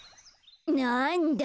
なんだ。